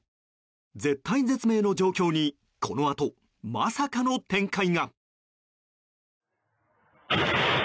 絶体絶命の状況にこのあと、まさかの展開が。